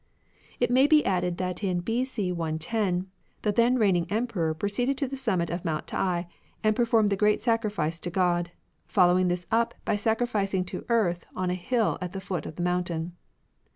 It may be added that in B.C. 110 the then reigning Emperor proceeded to the simimit of Mount T'ai, and performed the great sacrifice to God, following this up by sacrificing to Earth on a hill at the foot of the mountain.